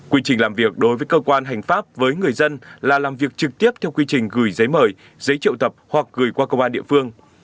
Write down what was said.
quy trình làm việc đối với cơ quan hành pháp với người dân là làm việc trực tiếp theo quy trình gửi giấy mời giấy triệu tập hoặc gửi qua công an địa phương